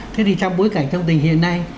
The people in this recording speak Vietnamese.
thế thì trong bối cảnh trong tình hiện nay